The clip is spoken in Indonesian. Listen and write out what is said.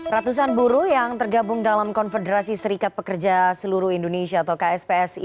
ratusan buruh yang tergabung dalam konfederasi serikat pekerja seluruh indonesia atau kspsi